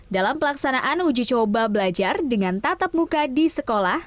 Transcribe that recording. dalam pelaksanaan uji coba belajar dengan tatap muka di sekolah